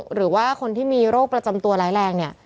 หรือว่าคนที่มีโรคประจำตัวร้ายแรงเนี่ย